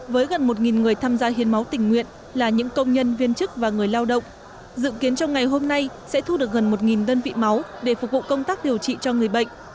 với gần một người tham gia hiến máu tình nguyện là những công nhân viên chức và người lao động dự kiến trong ngày hôm nay sẽ thu được gần một đơn vị máu để phục vụ công tác điều trị cho người bệnh